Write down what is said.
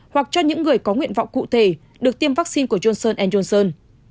hoặc cho những người có nguyện vọng cụ thể được tiêm vaccine của johnson johnson